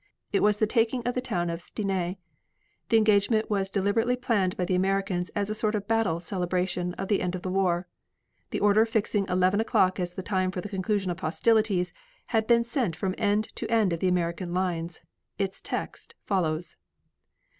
It was the taking of the town of Stenay. The engagement was deliberately planned by the Americans as a sort of battle celebration of the end of the war. The order fixing eleven o'clock as the time for the conclusion of hostilities, had been sent from end to end of the American lines. Its text follows: 1.